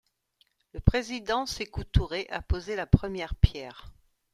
Le président Sékou Touré a posé la première pierre.